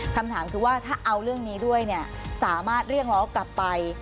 คำถามคือว่าถ้าเอาเรื่องนี้ด้วยเนี่ยสามารถเรียกร้องกลับไป